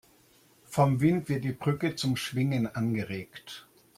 Vom Wind wird die Brücke zum Schwingen angeregt.